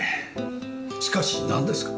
しかしなんですか？